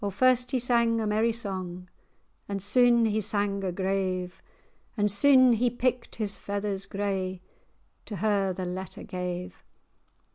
O first he sang a merry song, And syne he sang a grave; And syne he picked his feathers grey, To her the letter gave.